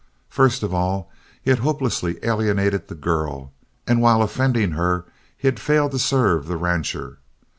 First of all, he had hopelessly alienated the girl and while offending her he had failed to serve the rancher.